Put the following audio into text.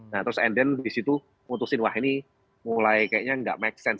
nah terus di situ putusin wah ini mulai kayaknya tidak make sense ini